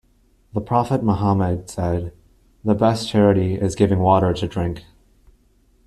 The Prophet Muhammad said, "The best charity is giving water to drink".